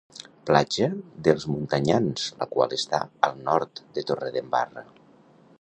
Platja d'Els Muntanyans, la qual està al nord de Torredembarra.